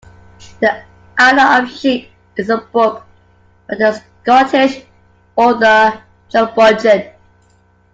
The Island of Sheep is a book by the Scottish author John Buchan